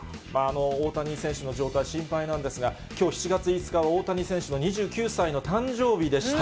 大谷選手の状態、心配なんですが、きょう７月５日は大谷選手の２９歳の誕生日でした。